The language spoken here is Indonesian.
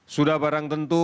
sudah barang tentu